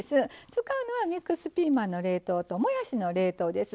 使うのはミックスピーマンの冷凍ともやしの冷凍です。